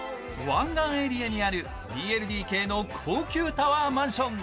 湾岸エリアにある２ＬＤＫの高級タワーマンション。